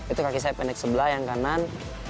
itu kaki saya pendek sebelah yang kanan